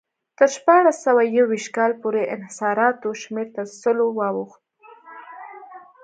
تر شپاړس سوه یو ویشت کال پورې انحصاراتو شمېر تر سلو واوښت.